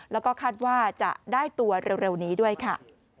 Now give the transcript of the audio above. แล้วก็คาดว่าจะได้ตัวเร็วนี้ด้วยค่ะ